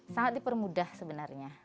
sangat dipermudah sebenarnya